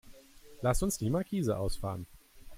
Lass uns die Markise ausfahren.